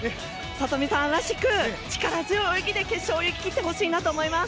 聡美さんらしく力強い泳ぎで泳ぎ切ってほしいと思います。